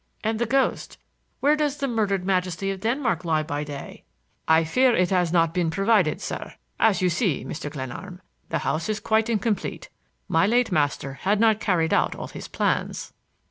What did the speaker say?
"And the ghost,—where does the murdered majesty of Denmark lie by day?" "I fear it wasn't provided, sir! As you see, Mr. Glenarm, the house is quite incomplete. My late master had not carried out all his plans."